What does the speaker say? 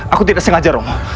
aku tidak sengaja romo